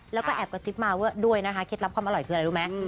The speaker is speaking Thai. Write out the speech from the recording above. แล้วก็แอบกระซิบมาด้วยนะคะเคล็ดลับความอร่อยคืออะไรรู้ไหม